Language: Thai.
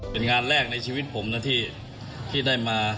เป็นงานแรกในชีวิตผมนะที่ได้มา